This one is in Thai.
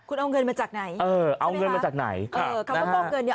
คุณเอาเงินมาจากไหนเออเอาเงินมาจากไหนเออคำว่าฟอกเงินเนี้ย